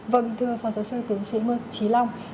vâng thưa phó giáo sư tướng sế ngược trí long